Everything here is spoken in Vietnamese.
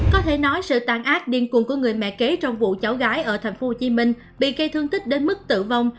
có thể nói sự tàn ác điên cùng của người mẹ kế trong vụ cháu gái ở tp hcm bị cây thương tích đến mức tử vong